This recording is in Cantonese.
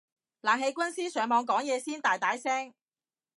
冷氣軍師上網講嘢先大大聲